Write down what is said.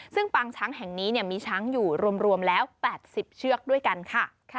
ซึ่งปางช้างแห่งนี้มีช้างอยู่รวมแล้ว๘๐เชือกด้วยกันค่ะ